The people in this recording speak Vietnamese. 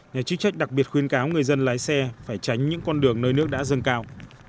nhà chức trách đặc biệt khuyên cáo người dân lái xe phải tránh những con đường nơi nước đã dâng cao